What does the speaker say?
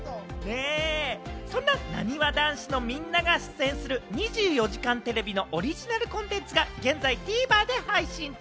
そんな、なにわ男子のみんなが出演する『２４時間テレビ』のオリジナルコンテンツが現在ＴＶｅｒで配信中！